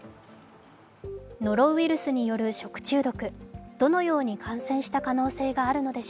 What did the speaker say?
ノロウイルスによる食中毒。